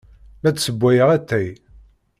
La d-ssewwayeɣ atay.